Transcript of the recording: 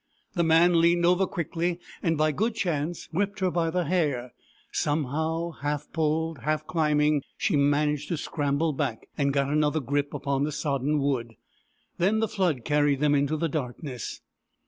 The man leaned over quickly and by good chance gripped her by the hair. Somehow, half pulled, half climbing, she managed to scramble back, and got another grip upon the sodden wood. Then the flood carried them into the darkness.